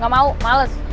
gak mau males